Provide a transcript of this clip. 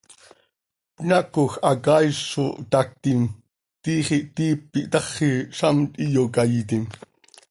Pnaacoj hacaaiz zo htaactim, tiix ihtíp ihtaxi, zamt ihyocaiitim.